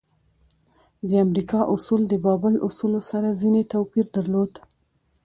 د امریکا اصول د بابل اصولو سره ځینې توپیر درلود.